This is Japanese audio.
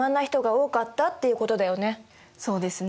そうですね。